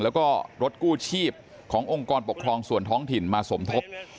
แล้วก็รถกู้ชีพขององค์กรปกครองส่วนท้องถิ่นมาสมทบ